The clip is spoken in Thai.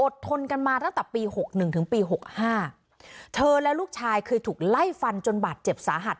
อดทนกันมาตั้งแต่ปี๖๑ถึงปี๖๕เธอและลูกชายเคยถูกไล่ฟันจนบาดเจ็บสาหัส